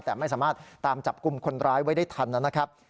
แต่ไม่สามารถตามจับกลุ่มคนร้ายไว้ได้ทันนะครับ